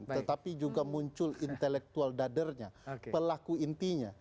tetapi juga muncul intelektual dadernya pelaku intinya